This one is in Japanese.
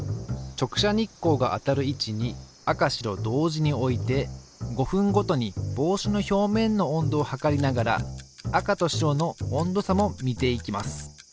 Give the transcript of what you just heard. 直射日光が当たる位置に赤白同時に置いて５分ごとに帽子の表面の温度を測りながら赤と白の温度差も見ていきます。